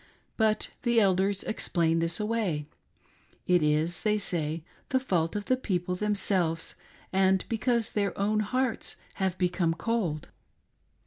But the elders explain this away. It is, they say, the fault of the people themselves, and because' their own hearts have become cold.